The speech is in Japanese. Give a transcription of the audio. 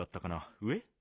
上？